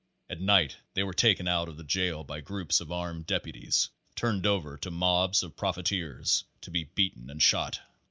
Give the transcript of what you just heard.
At night they were taken out of the jail by groups of armed deputies, turned over to mobs of profiteers to be beaten and shot.